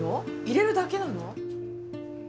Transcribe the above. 入れるだけなの？